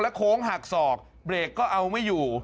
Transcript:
โค้งหักศอกเบรกก็เอาไม่อยู่